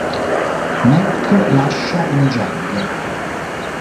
Mac lascia il Jag.